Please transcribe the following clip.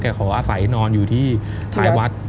ขออาศัยนอนอยู่ที่ท้ายวัด